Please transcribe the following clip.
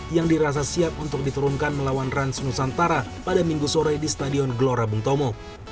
yang dirasa siap untuk diturunkan melawan rans nusantara pada minggu sore di stadion gelora bung tomo